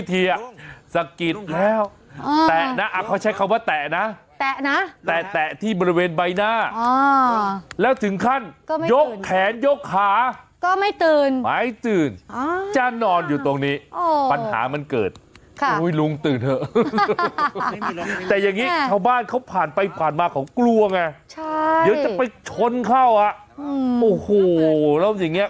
ตอนแรกอะเออไม่กล้าเพราะว่าบางทีนะไอ้ทางมืดอย่างเนี้ย